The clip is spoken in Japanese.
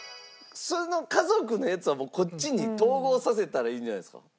その家族のやつはもうこっちに統合させたらいいんじゃないですか？